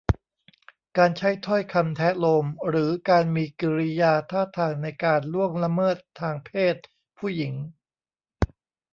การใช้ถ้อยคำแทะโลม หรือการมีกิริยาท่าทางในการล่วงละเมิดทางเพศผู้หญิง